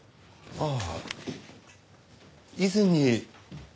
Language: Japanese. ああ